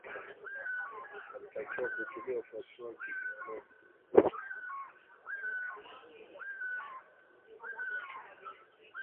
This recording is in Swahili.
Katika eneo ambako kiongozi mkuu wa upinzani wa chama , Nelson Chamisa, alitakiwa kuhutubia wafuasi wake Jumamosi